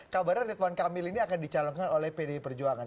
kabaran tuan kamil ini akan dicalonkan oleh pdi perjuangan